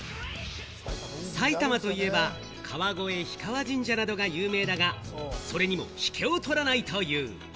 埼玉といえば川越氷川神社などが有名だが、それにも引けを取らないという。